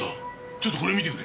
ちょっとこれ見てくれ。